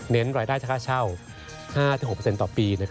เน้นรายได้ช่าเช่า๕๖ต่อปี